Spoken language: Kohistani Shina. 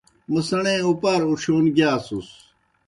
موْ سیْݨے اُپار اُڇِھیون گِیاسُس۔